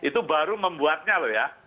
itu baru membuatnya loh ya